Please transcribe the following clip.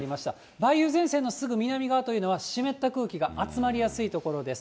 梅雨前線のすぐ南側というのは、湿った空気が集まりやすい所です。